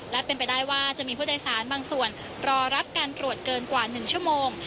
และเป็นไปได้ว่าจะมีผู้โดยสารบางส่วนรอรับการตรวจเกินกว่า๑ชั่วโมง